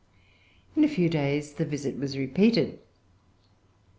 In a few days the visit was repeated.